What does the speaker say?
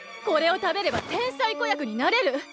これを食べれば天才子役になれる！